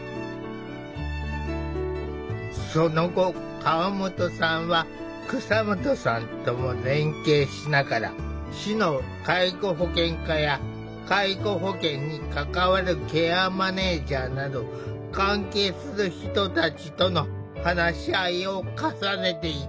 その後河本さんは蒼下さんとも連携しながら市の介護保険課や介護保険に関わるケアマネージャーなど関係する人たちとの話し合いを重ねていった。